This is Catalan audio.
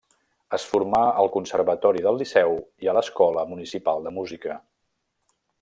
Es formà al Conservatori del Liceu i a l'Escola Municipal de Música.